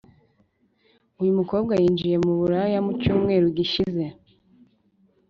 uyumukobwa yinjiye muburaya mucyumweru gishize